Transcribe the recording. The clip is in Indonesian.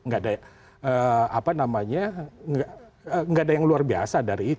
nggak ada yang luar biasa dari itu